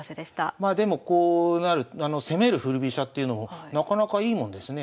まあでもこうなる攻める振り飛車っていうのもなかなかいいもんですね。